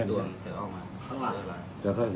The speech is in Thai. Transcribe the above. ส่วนสุดท้ายส่วนสุดท้าย